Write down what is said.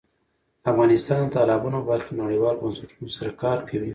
افغانستان د تالابونه په برخه کې نړیوالو بنسټونو سره کار کوي.